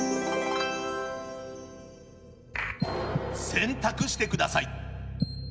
選択してください。